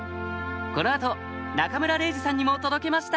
この後中村れいじさんにも届けました！